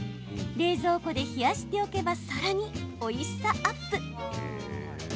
冷蔵庫で冷やしておけばさらに、おいしさアップ。